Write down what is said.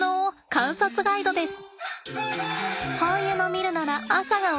観察ガイドです！